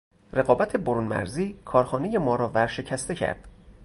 رقابت برونمرزی کارخانه ما را ورشکسته کرد.